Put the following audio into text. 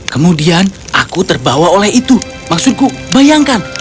kemudian aku terbawa oleh itu maksudku bayangkan